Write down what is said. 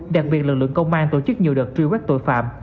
đặc biệt lực lượng công an tổ chức nhiều đợt truy quét tội phạm